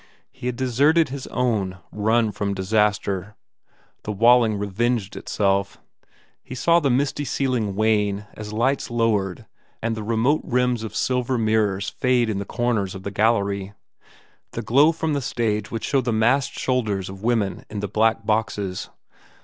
He had deserted his own, run from disaster. The Walling revenged itself. He saw the misty ceiling wane as lights lowered and the remote rims of silver mirrors fade in the corners of the gallery. The glow from the stage would show the massed shoulders of women in the black boxes.